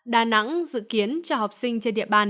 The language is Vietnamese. đà nẵng dự kiến cho học sinh trên địa bàn